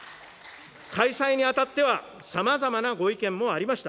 開催にあたっては、さまざまなご意見もありました。